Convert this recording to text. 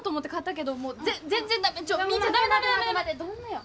どんなよ。